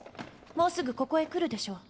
もうすぐここへ来るでしょう。